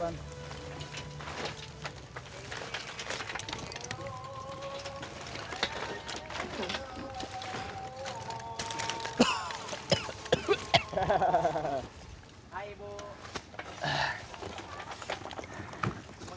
tuhan tuhan tuhan